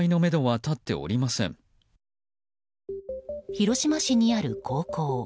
広島市にある高校。